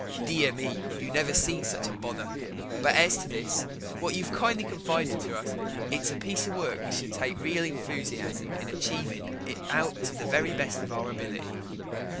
Dear me, you never see such a pother. But as to this, what you've kindly confided to us, it's a piece of work we shall take a reel enthusiasm in achieving it out to the very best of our ability.